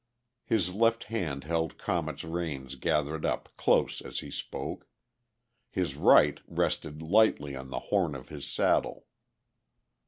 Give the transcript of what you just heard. His left hand held Comet's reins gathered up close as he spoke; his right rested lightly on the horn of his saddle.